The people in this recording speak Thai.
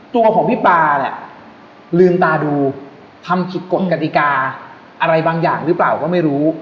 ตัวของพี่ปลาเนี่ยลืมตาดูทำผิดกฎกติกาอะไรบางอย่างหรือเปล่าก็ไม่รู้